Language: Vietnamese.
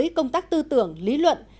đổi mới công tác tư tưởng lý luận